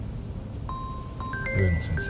植野先生。